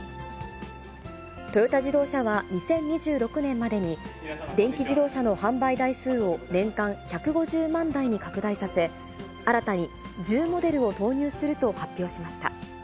トヨタ自動車は２０２６年までに、電気自動車の販売台数を年間１５０万台に拡大させ、新たに１０モデルを投入すると発表しました。